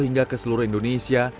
hingga ke seluruh indonesia